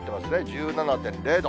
１７．０度。